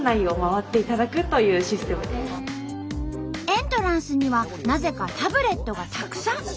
エントランスにはなぜかタブレットがたくさん。